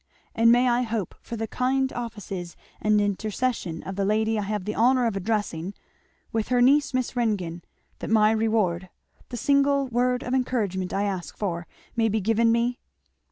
And may I hope for the kind offices and intercession of the lady I have the honour of addressing, with her niece Miss Ringgan, that my reward, the single word of encouragement I ask for, may be given me?